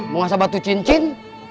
mau ngasah batu cincin